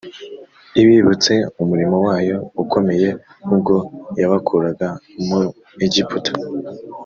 ibibutse umurimo wayo ukomeye ubwo yabakuraga mu Egiputa.